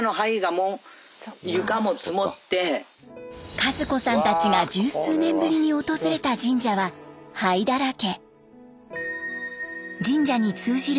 和子さんたちが十数年ぶりに訪れた神社は灰だらけ。